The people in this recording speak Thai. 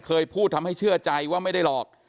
เคยพูดทำให้เชื่อใจว่าไม่ได้หลอก